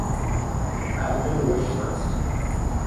Add to the wish list.